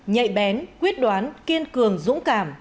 nhạy bén quyết đoán kiên cường dũng cảm